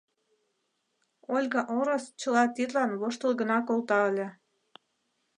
Ольга Орос чыла тидлан воштыл гына колта ыле.